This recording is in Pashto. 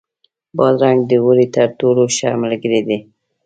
بادرنګ د اوړي تر ټولو ښه ملګری دی.